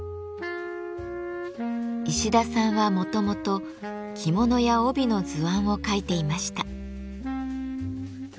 石田さんはもともと着物や帯の図案を描いていました。